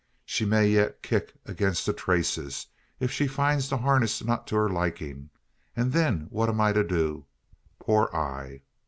She may yet kick against the traces, if she find the harness not to her liking; and then what am I to do poor I?"